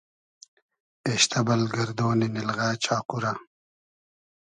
اېشتۂ بئل گئردۉنی نیلغۂ چاقو رۂ